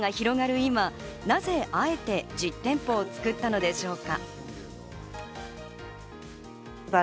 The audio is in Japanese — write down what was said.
今、なぜあえて実店舗を作ったのでしょうか？